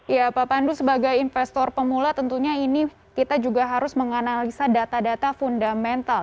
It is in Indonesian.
ya pak pandu sebagai investor pemula tentunya ini kita juga harus menganalisa data data fundamental